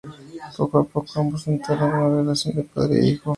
Poco a poco, ambos entablan una relación de padre-hijo.